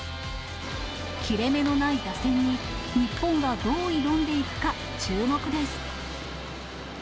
切れ目のない打線に、日本はどう挑んでいくか、注目です。